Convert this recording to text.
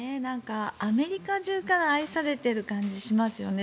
アメリカ中から愛されている感じがしますよね。